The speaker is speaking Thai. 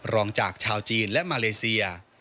รองจากชาวจีนและมาเลเซีย